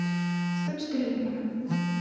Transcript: сто четыре лимона